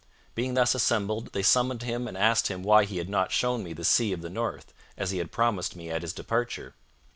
Being thus assembled, they summoned him and asked him why he had not shown me the sea of the north, as he had promised me at his departure.